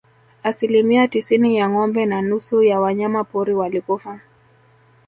Asilimia tisini ya ngombe na nusu ya wanyama pori walikufa